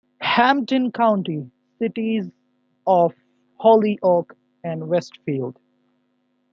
Hampden County: Cities of Holyoke and Westfield.